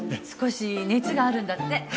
少し熱があるんだって。